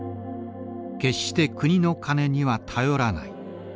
「決して国の金には頼らない」。